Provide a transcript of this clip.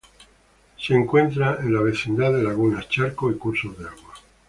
Se la encuentra en la vecindad de lagunas, charcos y cursos de agua.